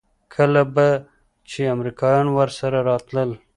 کله به چې امريکايان ورسره راتلل.